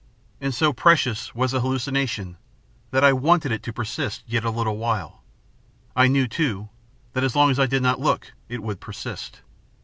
And so precious was the hallucination, that I wanted it to persist yet a little while. I knew, too, that as long as I did not look it would persist.